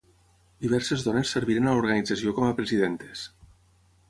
Diverses dones serviren a l'organització com a presidentes.